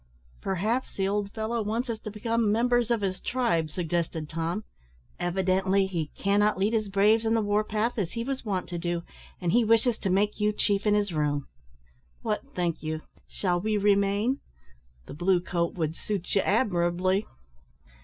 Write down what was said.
"Perhaps the old fellow wants us to become members of his tribe," suggested Tom. "Evidently he cannot lead his braves on the war path as he was wont to do, and he wishes to make you chief in his room. What think you? Shall we remain? The blue coat would suit you admirably."